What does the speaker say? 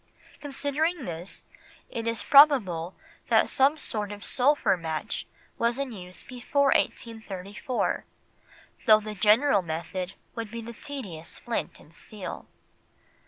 Considering this, it is probable that some sort of sulphur match was in use before 1834, though the general method would be the tedious flint and steel.